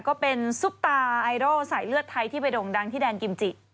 ซุปตาไอดอลสายเลือดไทยที่ไปโด่งดังที่แดนกิมจิ